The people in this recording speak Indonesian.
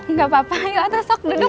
nggak apa apa ayo atu sok duduk